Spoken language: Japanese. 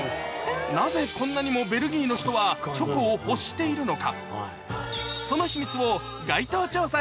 なぜこんなにもベルギーの人はチョコを欲しているのか？